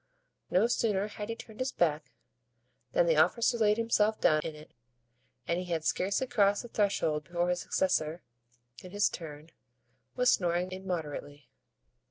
No sooner had he turned his back than the officer laid himself down in it, and he had scarcely crossed the threshold before his successor, in his turn, was snoring immoderately.